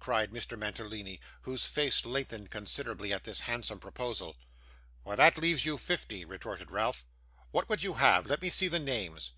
cried Mr. Mantalini, whose face lengthened considerably at this handsome proposal. 'Why, that leaves you fifty,' retorted Ralph. 'What would you have? Let me see the names.